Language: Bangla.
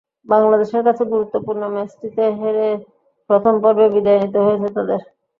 বাংলাদেশের কাছে গুরুত্বপূর্ণ ম্যাচটিতে হেরে প্রথম পর্বেই বিদায় নিতে হয়েছে তাদের।